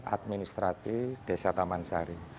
administratif desa taman sari